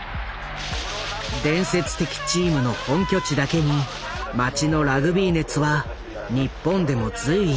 伝説的チームの本拠地だけに町のラグビー熱は日本でも随一。